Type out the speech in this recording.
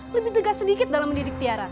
lebih tegas sedikit dalam mendidik tiara